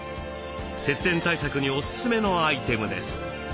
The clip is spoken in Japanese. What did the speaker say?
節電対策にオススメのアイテムです。